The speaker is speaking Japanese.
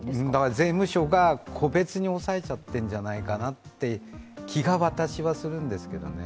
税務署が個別に押さえちゃってるんじゃないかという気がするんですけどね。